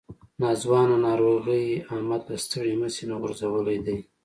ناځوانه ناروغۍ احمد له ستړي مشي نه غورځولی دی.